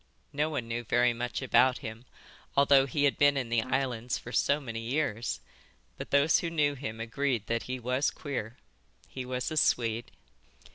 No one knew very much about him, although he had been in the islands for so many years, but those who knew him agreed that he was queer. He was a Swede.